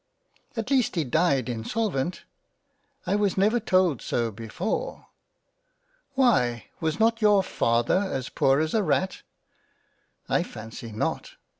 " At least he died insolvent ?"" I was never told so before." " Why, was not your Father as poor as a Rat ?"" I fancy not."